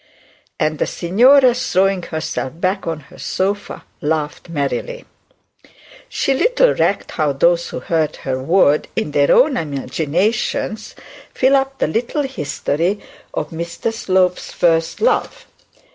And the signora, throwing herself back on her sofa, laughed merrily. She little recked how those who heard her would, in their own imagination, fill up the little history of Mr Slope's first love.